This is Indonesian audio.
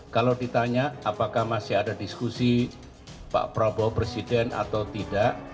kalau ditanya apakah masih ada diskusi pak prabowo presiden atau tidak